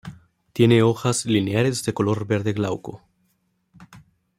Tiene hojas lineares de color verde glauco.